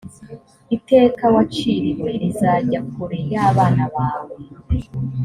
iteka waciriwe rizajya kure y abana bawe